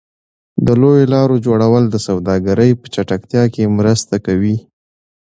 د لویو لارو جوړول د سوداګرۍ په چټکتیا کې مرسته کوي.